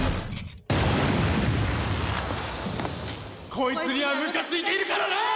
こいつにはムカついてるからなあ！